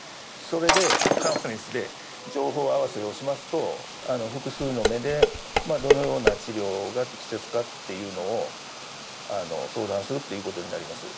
それでカンファレンスで情報合わせをしますと複数の目でどのような治療が適切かっていうのを相談するっていうことになります。